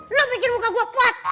lu pikir muka gua pot